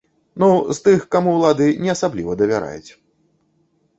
Ну, з тых, каму ўлады не асабліва давяраюць.